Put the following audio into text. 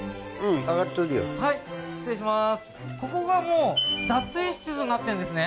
ここがもう脱衣室になってるんですね